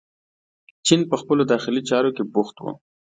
چین په خپلو داخلي چارو کې بوخت و.